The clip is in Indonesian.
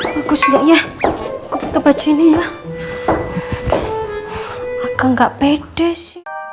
bagusnya ya kebacu ini ya akan enggak pedes